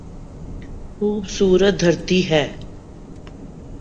خوبصورت دھرتی ہے۔